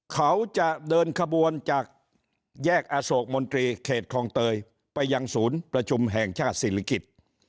เขาจะเดินขบวนจากแยกอโศกมนตรีเขตคลองเตยไปยังศูนย์ประชุมแห่งชาติศิริกิจ